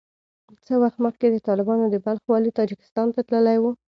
څه وخت مخکې د طالبانو د بلخ والي تاجکستان ته تللی وو